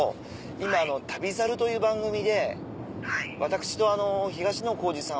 今『旅猿』という番組で私と東野幸治さん